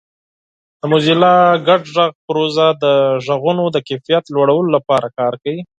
د موزیلا ګډ غږ پروژه د غږونو د کیفیت لوړولو لپاره کار کوي.